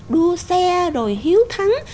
đua xe rồi hiếu thắng